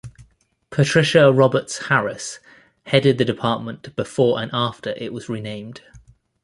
Patricia Roberts Harris headed the department before and after it was renamed.